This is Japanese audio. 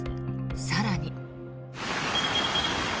更に。